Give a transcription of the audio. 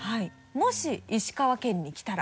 「もし石川県に来たら」